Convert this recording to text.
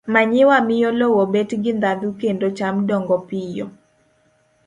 Manyiwa miyo lowo bet gi ndhadhu kendo cham dongo piyo.